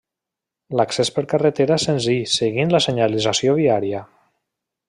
L'accés per carretera és senzill seguint la senyalització viària.